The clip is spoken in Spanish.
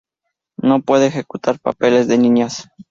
No pueden ejecutar papeles de niñas.